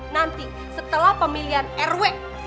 nanti setelah pemilihan rw